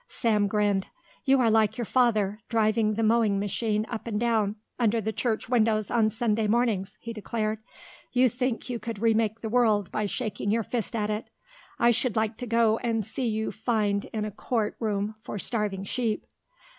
Sam grinned. "You are like your father, driving the mowing machine up and down under the church windows on Sunday mornings," he declared; "you think you could remake the world by shaking your fist at it. I should like to go and see you fined in a court room for starving sheep."